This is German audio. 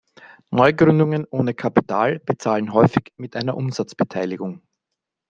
Neugründungen ohne Kapital bezahlen häufig mit einer Umsatzbeteiligung.